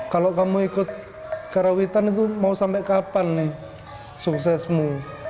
kalau kamu ikut karawitan itu mau sampai kapan nih suksesmu